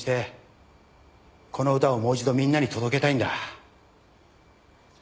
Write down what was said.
この歌をもう一度みんなに届けたいんだ。